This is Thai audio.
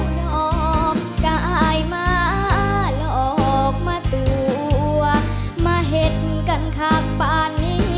นอกกายมาหลอกมาตัวมาเห็นกันข้างป่านนี้